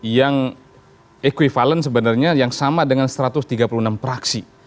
yang equivalent sebenarnya yang sama dengan satu ratus tiga puluh enam praksi